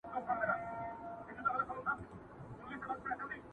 o خواره زه وم، په خوار کلي واده وم!